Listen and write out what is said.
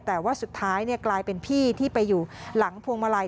แต่ว่าสุดท้ายกลายเป็นพี่ที่ไปอยู่หลังพวงมาลัย